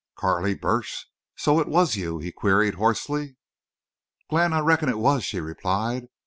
"Carley Burch, so it was you?" he queried, hoarsely. "Glenn, I reckon it was," she replied.